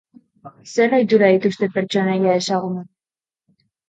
Zer ohitura dituzte pertsonaia ezagun horiek?